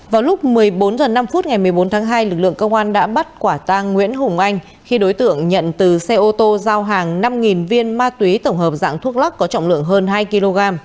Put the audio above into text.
vào lúc một mươi bốn h năm ngày một mươi bốn tháng hai lực lượng công an đã bắt quả tang nguyễn hùng anh khi đối tượng nhận từ xe ô tô giao hàng năm viên ma túy tổng hợp dạng thuốc lắc có trọng lượng hơn hai kg